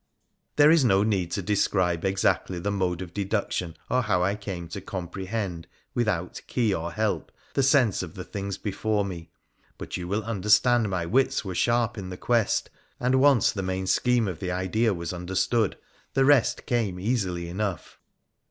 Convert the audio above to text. There is no need to describe exactly the mode of deduction or how I came to comprehend without key or help the sense of the things before me, but you will understand my wits were sVin.™ i« fV, °""«"+— J "•■■ in scheme of the 38 WONDERFUL ADVENTURES OF idea was understood the rest came easily enough.